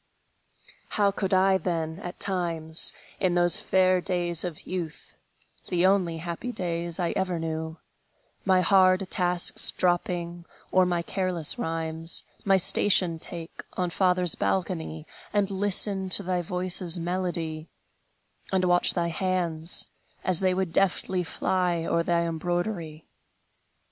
How could I, then, at times, In those fair days of youth, The only happy days I ever knew, My hard tasks dropping, or my careless rhymes, My station take, on father's balcony, And listen to thy voice's melody, And watch thy hands, as they would deftly fly O'er thy embroidery!